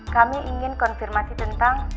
kami ingin konfirmasi tentang